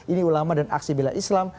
ini ulama dan aksi bela islam